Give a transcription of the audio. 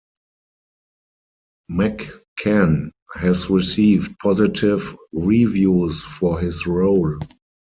McCann has received positive reviews for his role.